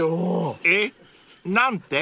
［えっ？何て？］